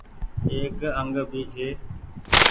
ايڪ انگ ڀي ڇي۔